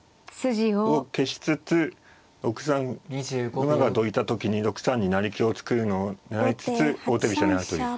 を消しつつ６三馬がどいた時に６三に成香を作るのを狙いつつ王手飛車狙うという。